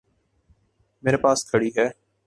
میرے پاس کھڑی ہے۔